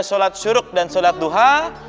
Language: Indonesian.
sholat syuruk dan sholat duha